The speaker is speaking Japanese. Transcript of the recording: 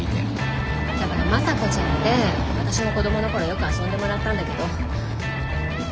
だからまさこちゃんって私も子どもの頃よく遊んでもらったんだけどま